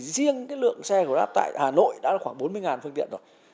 riêng lượng xe của đáp tại hà nội đã khoảng bốn mươi phương tiện rồi